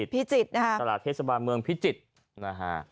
พิจิตรนะฮะตลาดเทศบาลเมืองพิจิตรนะฮะ